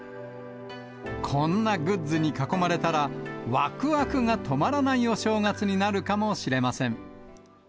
こんなグッズに囲まれたら、わくわくが止まらないお正月になるかもしれません。